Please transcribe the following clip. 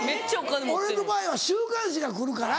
俺の場合は週刊誌が来るから。